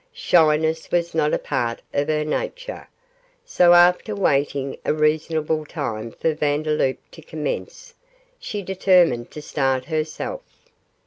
Shyness was not a part of her nature, so after waiting a reasonable time for Vandeloup to commence, she determined to start herself.